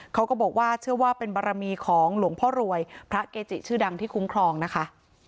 เขาก็บอกว่าเชื่อว่าเป็นบารมีของหลวงพ่อรวยพระเกจิชื่อดังที่คุ้มครองนะคะ